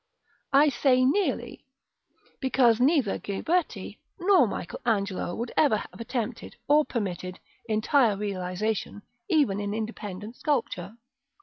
(I say nearly, because neither Ghiberti nor Michael Angelo would ever have attempted, or permitted, entire realisation, even in independent sculpture.)